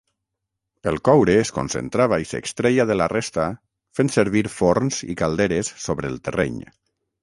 El coure es concentrava i s'extreia de la resta fent servir forns i calderes sobre el terreny.